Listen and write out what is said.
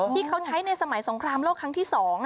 ที่เขาใช้ในสมัยสงครามโลกครั้งที่๒